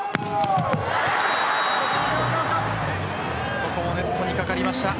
ここもネットに掛かりました。